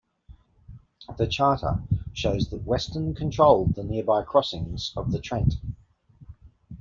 The charter shows that Weston controlled the nearby crossings of the Trent.